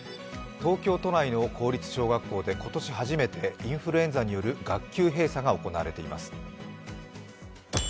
東京都内の公立小学校で今年初めてインフルエンザによる学級閉鎖が行われています。